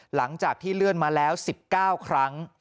หลังจากที่เลื่อนมาแล้ว๑๙ครั้ง